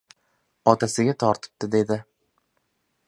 — Otasiga tortibdi, — dedi.